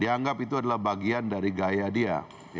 dianggap itu adalah bagian dari gaya dia